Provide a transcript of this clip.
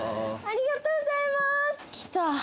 ありがとうございます来た